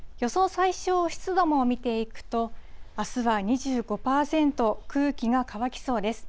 最小湿度も見ていくと、あすは２５％、空気が乾きそうです。